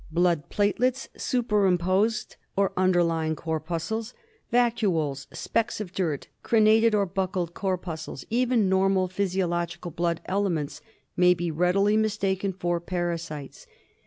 Blood platelets superposed or underlying corpuscles, vacuoles, specks of dirt, crenated or buckled corpuscles, even normal phy siological blood elements may be readily mistaken for parasites.